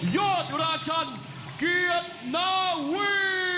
ยอดราชันเกียรตินาวี